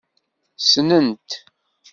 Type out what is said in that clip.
Ssnent.